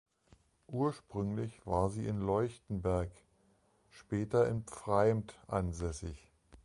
Ursprünglich waren sie in Leuchtenberg, später in Pfreimd ansässig.